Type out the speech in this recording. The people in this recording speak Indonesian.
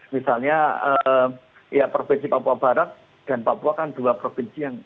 misalnya ya provinsi papua barat dan papua kan dua provinsi yang